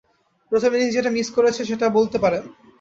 প্রথম ইনিংস যেটা মিস করেছে, সেটা বলতে পারেন।